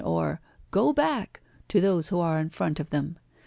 or 'go back!' to those who are in front of them.